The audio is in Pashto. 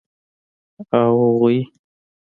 او اغوئ.